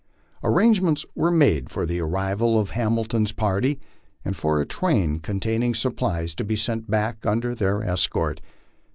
Arrangements were made for the arrival of Hamilton's party and for a train containing supplies to be sent back under their escort.